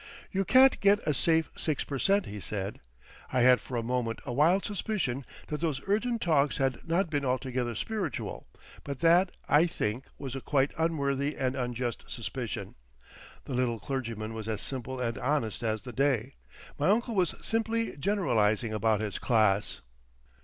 "You can't get a safe six per cent.," he said. I had for a moment a wild suspicion that those urgent talks had not been altogether spiritual, but that, I think, was a quite unworthy and unjust suspicion. The little clergyman was as simple and honest as the day. My uncle was simply generalising about his class.